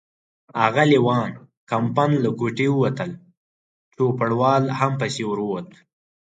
اغلې وان کمپن له کوټې ووتل، چوپړوال هم پسې ور ووت.